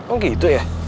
oh gitu ya